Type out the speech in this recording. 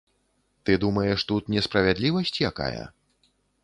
Ты думаеш, тут несправядлівасць якая?